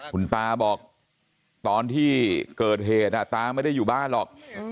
คุณตาบอกตอนที่เกิดเหตุตาไม่ได้อยู่บ้านหรอก